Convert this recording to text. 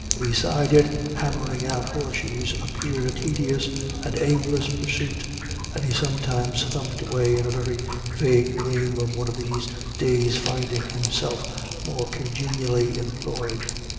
Beside it hammering out horseshoes appeared a tedious and aimless pursuit, and he sometimes thumped away in a very vague dream of one of these days finding himself more congenially employed.